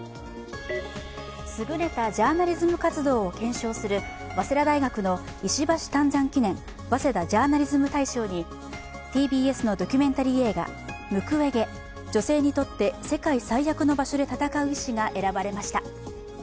優れたジャーナリズム活動を顕彰する早稲田大学の石橋湛山記念早稲田ジャーナリズム大賞にＴＢＳのドキュメンタリー映画「ムクウェゲ『女性にとって世界最悪の場所』で闘う医師」が選ばれました。